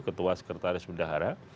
ketua sekretaris bendahara